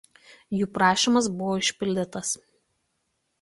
Jų prašymas buvo išpildytas.